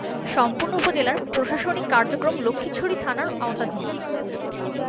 সম্পূর্ণ উপজেলার প্রশাসনিক কার্যক্রম লক্ষ্মীছড়ি থানার আওতাধীন।